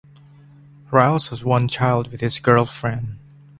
Ryles has one child with his girlfriend.